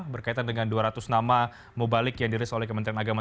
berkaitan dengan dua ratus nama mubalik yang dirilis oleh kementerian agama